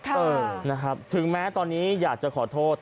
เออนะครับถึงแม้ตอนนี้อยากจะขอโทษ